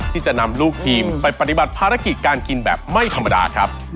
ที่จะนำลูกทีมไปปฏิบัติภารกิจการกินแบบไม่ธรรมดาครับ